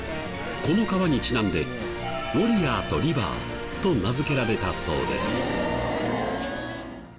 この川にちなんでウォリアーとリバーと名付けられたそうです。